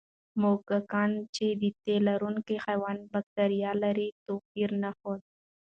هغه موږکان چې د تیلرونکي حیوان بکتریاوې لري، توپیر نه ښود.